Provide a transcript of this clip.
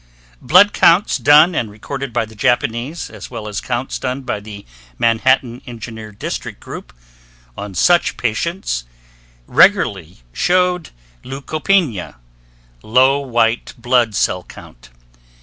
Blood counts done and recorded by the Japanese, as well as counts done by the Manhattan Engineer District Group, on such patients regularly showed leucopenia (low white blood cell count).